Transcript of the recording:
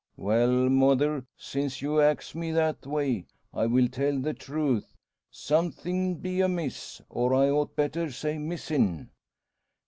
"Well, mother; since you axe me that way I will tell the truth. Somethin' be amiss; or I ought better say, missin'."